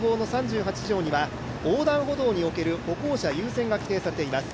横断歩道における歩行者優先が規定されています。